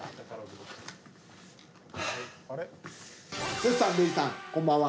剛さん礼二さんこんばんは。